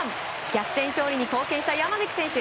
逆転勝利に貢献した山口選手。